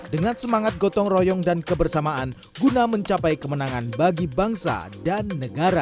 dengan semangat gotong royong dan kebersamaan guna mencapai kemenangan bagi bangsa dan negara